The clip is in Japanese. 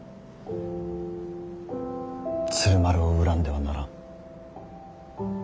鶴丸を恨んではならん。